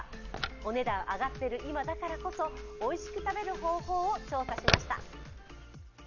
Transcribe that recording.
お値段上がっている今だからこそおいしく食べる方法を調査しました。